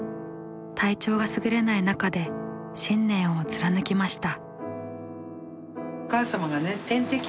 体調がすぐれない中で信念を貫きました。